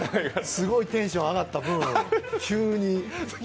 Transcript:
すごいテンション上がった分、急に。